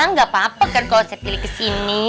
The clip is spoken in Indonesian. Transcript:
gak apa apa kan kalau saya pilih kesini